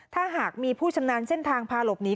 ถ้าหากมีผู้ชำนาญเส้นทางพาหลบหนี